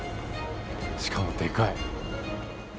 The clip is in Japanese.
しかもでかい。